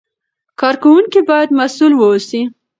کاروونکي باید مسوول واوسي.